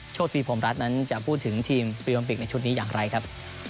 โชคชีพพรหมรัฐนั้นจะพูดถึงทีมปริวัติศาสตร์ในชุดนี้อย่างไรครับ